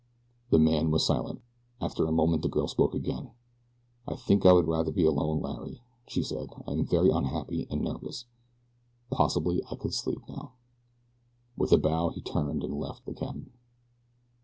The man was silent. After a moment the girl spoke again. "I think I would rather be alone, Larry," she said. "I am very unhappy and nervous. Possibly I could sleep now." With a bow he turned and left the cabin.